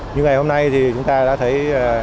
như ngày hôm nay thì chúng ta đã thấy